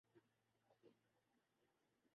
اور آسانی سے شکار ہو جاتے ہیں ۔